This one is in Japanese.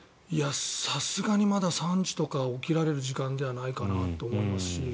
さすがにまだ３時とか起きられる時間ではないかなと思いますし